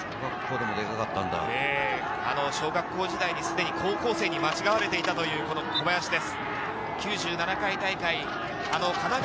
小学校でもデカかったんだ。小学校時代にすでに高校生に間違われていたという小林です。